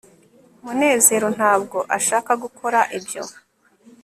munezero ntabwo ashaka gukora ibyo